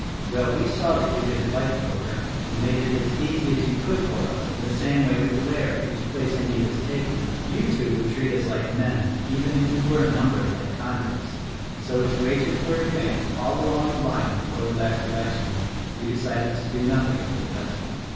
"Well, we saw that you didn't like the order and made it as easy as you could for us, and the same way with Laird whose place Endy has taken — you two would treat us like men, even if we were numbered like convicts. So, as wages were advanced all along the line before the last election we decided to do nothing for the present.